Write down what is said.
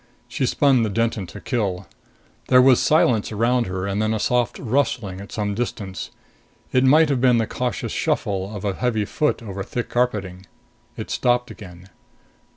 She spun the Denton to kill. There was silence around her and then a soft rustling at some distance. It might have been the cautious shuffle of a heavy foot over thick carpeting. It stopped again.